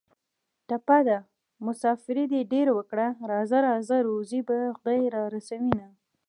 ټپه ده: مسافري دې ډېره وکړه راځه راځه روزي به خدای را رسوینه